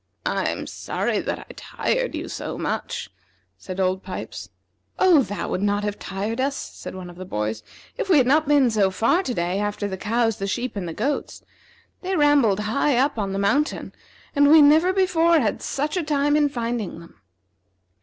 "I'm sorry that I tired you so much," said Old Pipes. "Oh, that would not have tired us," said one of the boys, "if we had not been so far to day after the cows, the sheep, and the goats. They rambled high up on the mountain, and we never before had such a time in finding them."